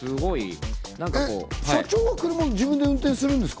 社長は車、自分で運転するんですか？